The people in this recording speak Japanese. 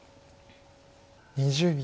２０秒。